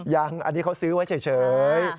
ยังอันนี้เขาซื้อไว้เฉย